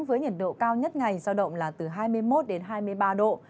với nhiệt độ cao nhất ngày giao động là từ hai mươi một đến hai mươi ba độ